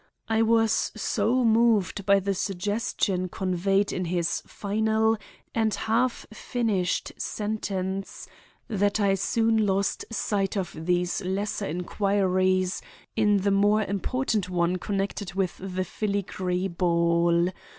I was so moved by the suggestion conveyed in his final and half finished sentence, that I soon lost sight of these lesser inquiries in the more important one connected with the filigree ball.